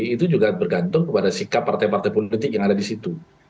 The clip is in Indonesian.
itu juga bergantung kepada sikap partai partai politik yang ada di situ